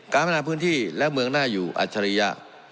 พนาพื้นที่และเมืองหน้าอยู่อัจฉริยะ